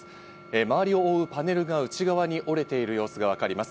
周りを覆うパネルが内側に折れている様子がわかります。